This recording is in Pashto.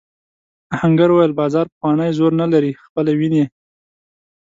آهنګر وویل بازار پخوانی زور نه لري خپله وینې.